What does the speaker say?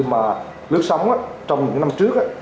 mà lướt sóng trong những năm trước